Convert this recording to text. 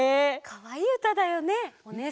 かわいいうただよね。